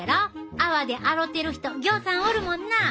泡で洗てる人ぎょうさんおるもんな。